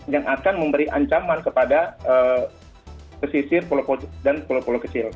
yang akan memberi ancaman kepada pesisir dan pulau pulau kecil